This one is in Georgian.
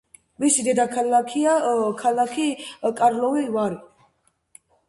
მისი დედაქალაქია ქალაქი კარლოვი-ვარი.